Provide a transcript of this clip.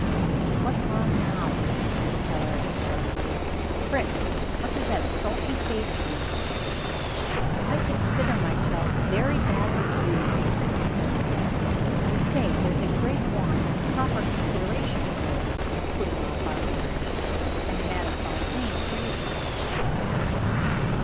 "What's wrong now?" Mr. Keller asked sharply. "Fritz! what does that sulky face mean?" "I consider myself very badly used," Fritz answered. "I say there's a great want of proper consideration for Me, in putting off our marriage. And Madame Fontaine agrees with me."